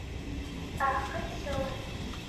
Aɛeqqa yessawalen.